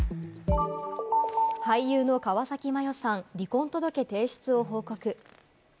俳優の川崎麻世さん、離婚届提出を報告。